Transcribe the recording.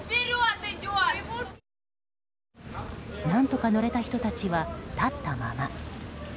何とか乗れた人たちは立ったまま。